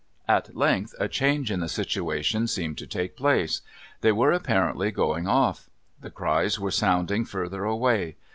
At length a change in the situation seemed to take place. They were apparently going off. The cries were sounding further away.